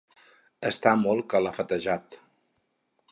Estar molt calafatejat.